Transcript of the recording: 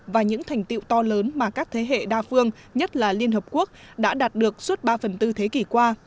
và những thành tiệu to lớn mà các thế hệ đa phương nhất là liên hợp quốc đã đạt được suốt ba phần tư thế kỷ qua